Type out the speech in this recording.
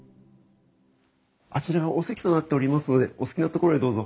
あちらがお席となっておりますのでお好きな所へどうぞ。